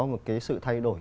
một cái sự thay đổi